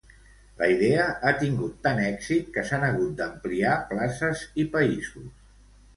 La idea ha tingut tant èxit que s'han hagut d'ampliar places i països.